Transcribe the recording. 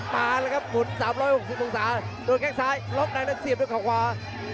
ตาเลยครับหมุน๓๖๐มโดยแค่ซ้ายลบหน้าเสียบด้วยขวา